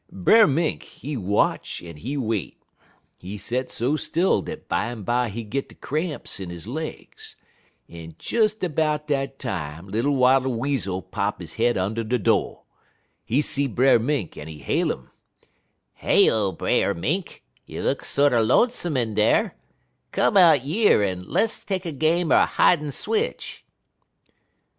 "Brer Mink, he watch en he wait. He set so still dat bimeby he git de cramps in de legs, en des 'bout dat time little Wattle Weasel pop he head und' de do'. He see Brer Mink, en he hail 'im: "'Heyo, Brer Mink! you look sorter lonesome in dar. Come out yer en less take a game er hidin' switch.'